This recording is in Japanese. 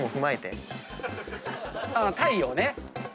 太陽ね。